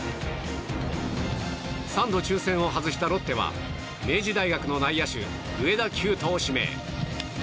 ３度抽選を外したロッテは明治大学の内野手上田希由翔を指名。